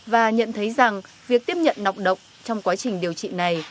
và nhận thấy rằng việc tiếp nhận nọc động trong quá trình điều trị này